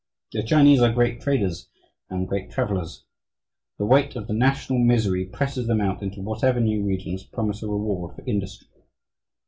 The Chinese are great traders and great travellers. The weight of the national misery presses them out into whatever new regions promise a reward for industry.